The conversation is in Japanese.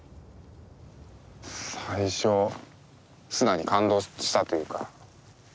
最初素直に感動したというかうん。